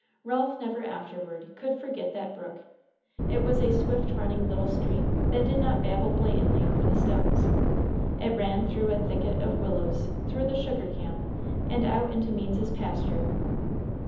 Ralph never afterward could forget that brook. It was a swift running little stream, that did not babble blatantly over the stones. It ran through a thicket of willows, through the sugar camp, and out into Means's pasture.